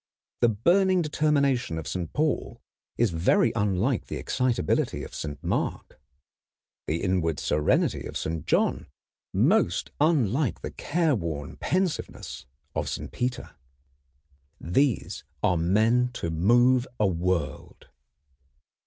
The burning determination of Saint Paul is very unlike the excitability of Saint Mark; the inward serenity of Saint John most unlike the careworn pensiveness of Saint Peter. These are men to move a world.